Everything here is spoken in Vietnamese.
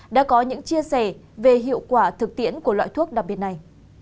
đã có những chia sẻ về hiệu quả thực tiễn của loại thuốc đặc biệt này